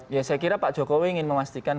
ya saya kira pak jokowi ingin memastikan